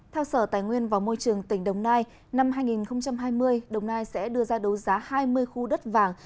theo sở tài nguyên và môi trường tỉnh đồng nai năm hai nghìn hai mươi đồng nai sẽ đưa ra đấu giá hai mươi khu đất vàng